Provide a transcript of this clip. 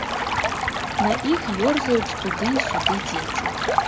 На іх ёрзаюць туды і сюды дзеці.